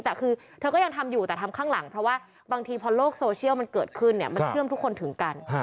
แต่คือเธอก็ยังทำอยู่แต่ทำข้างหลังเพราะว่าบางทีพอโลกโซเชียลมันเกิดขึ้นเนี่ยมันเชื่อมทุกคนถึงกัน